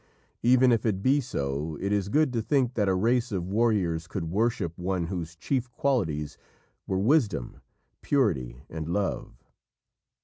Even if it be so, it is good to think that a race of warriors could worship one whose chief qualities were wisdom, purity, and love.